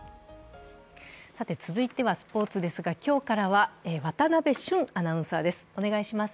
続いてはスポーツですが、今日からは渡部峻アナウンサーです。